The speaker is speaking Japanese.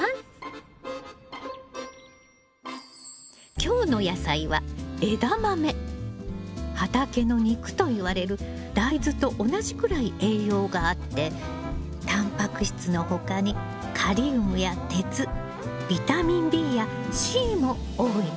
今日の野菜は畑の肉といわれる大豆と同じくらい栄養があってたんぱく質の他にカリウムや鉄ビタミンＢやＣも多いのよ。